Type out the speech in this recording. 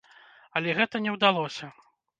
Але гэта не ўдалося.